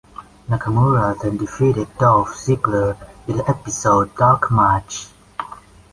Nakamura then defeated Dolph Ziggler in the episode's dark match.